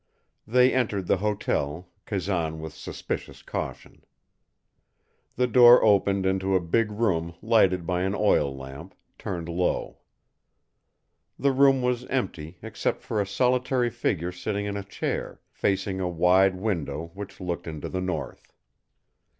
They entered the hotel, Kazan with suspicious caution. The door opened into a big room lighted by an oil lamp, turned low. The room was empty except for a solitary figure sitting in a chair, facing a wide window which looked into the north.